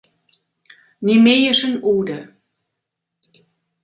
Nemeischen Ode.